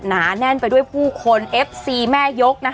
หนาแน่นไปด้วยผู้คนแม่ยก